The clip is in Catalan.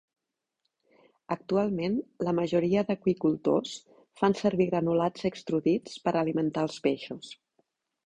Actualment, la majoria d'aqüicultors fan servir granulats extrudits per alimentar els peixos.